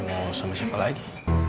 mau sama siapa lagi